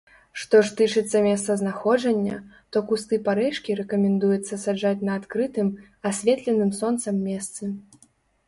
Што ж тычыцца месцазнаходжання, то кусты парэчкі рэкамендуецца саджаць на адкрытым, асветленым сонцам месцы.